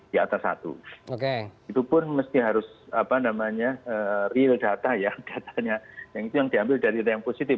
di atas satu itu pun mesti harus real data ya datanya yang diambil dari data yang positif